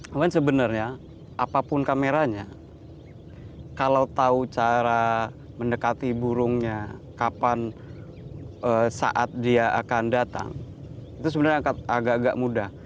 namun sebenarnya apapun kameranya kalau tahu cara mendekati burungnya kapan saat dia akan datang itu sebenarnya agak agak mudah